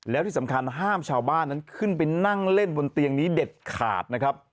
แล้วที่สำคัญห้ามชาวบ้านนั้นขึ้นไปนั่งเล่นบนเตียงนี้เด็ดขาดนะครับ